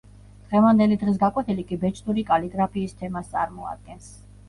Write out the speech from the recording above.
დღევანდელი დღის გაკვეთილი კი ბეჭდური კალიგრაფიის თემას წარმოადგენს.